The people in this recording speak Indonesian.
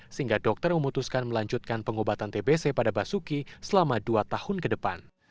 sehingga dokter memutuskan melanjutkan pengobatan tbc pada basuki selama dua tahun ke depan